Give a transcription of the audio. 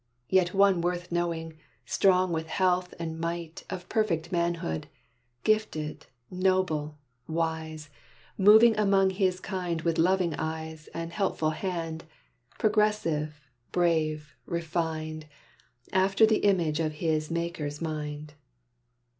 Yet one worth knowing strong with health and might Of perfect manhood; gifted, noble, wise; Moving among his kind with loving eyes, And helpful hand; progressive, brave, refined, After the image of his Maker's mind."